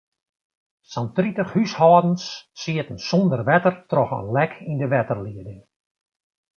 Sa'n tritich húshâldens sieten sonder wetter troch in lek yn de wetterlieding.